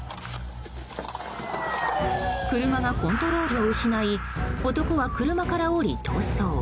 車がコントロールを失い男は車から降り、逃走。